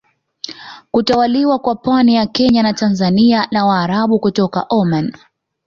Kutawaliwa kwa pwani ya Kenya na Tanzania na Waarabu kutoka Omani